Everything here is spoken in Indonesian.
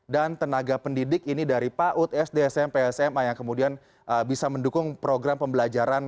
dan tenaga pendidik ini dari paud sdsm psma yang kemudian bisa mendukung program pembelajaran